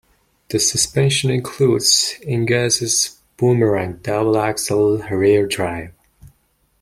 The suspension includes Engesa's Boomerang double-axle rear drive.